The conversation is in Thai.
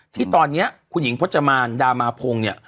ที่ตอนนี้คุณหญิงพจมานดามาพงศ์เนี่ย